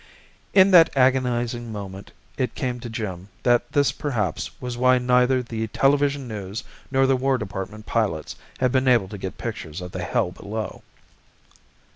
In that agonizing moment it came to Jim that this perhaps was why neither the Television News nor the War Department pilots had been able to get pictures of the hell below.